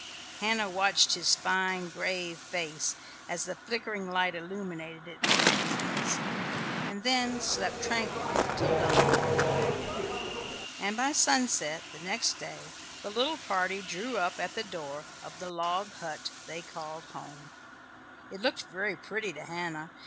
Hannah watched his fine, grave face, as the flickering light illuminated it, for a few minutes, and then slept tranquilly till dawn. And by sunset next day the little party drew up at the door of the log hut they called home. It looked very pretty to Hannah.